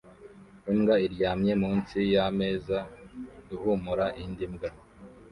Imbwa iryamye munsi yameza ihumura indi mbwa